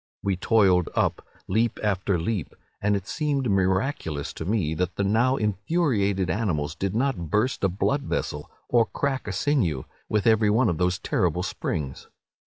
"We toiled up, leap after leap; and it seemed miraculous to me that the now infuriated animals did not burst a blood vessel, or crack a sinew, with every one of those terrible springs.